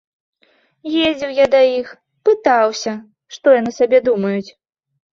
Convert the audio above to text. Ездзіў я да іх, пытаўся, што яны сабе думаюць.